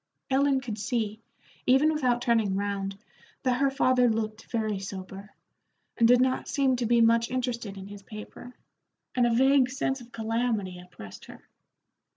Ellen could see, even without turning round, that her father looked very sober, and did not seem to be much interested in his paper, and a vague sense of calamity oppressed her.